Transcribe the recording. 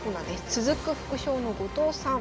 続く副将の後藤さん。